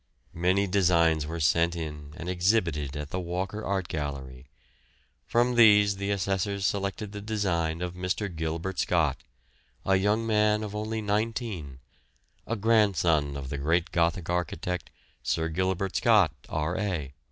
Many designs were sent in and exhibited at the Walker Art Gallery. From these the assessors selected the design of Mr. Gilbert Scott, a young man of only 19, a grandson of the great Gothic architect, Sir Gilbert Scott, R.A.